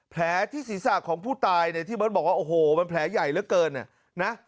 แผลที่ศีรษะของผู้ตายเนี่ยที่เบิร์ตบอกว่าโอ้โหมันแผลใหญ่เหลือเกินนะ